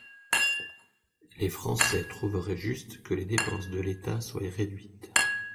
Les Français trouveraient juste que les dépenses de l’État soient réduites.